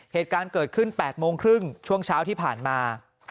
เหตุการณ์เกิดขึ้น๘โมงครึ่งช่วงเช้าที่ผ่านมา